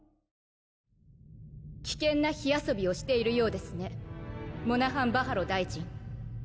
危険な火遊びをしているようですねモナハン・バハロ大臣。